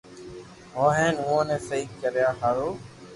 ھوئي ھين اووہ ني سھي ڪريا ھارو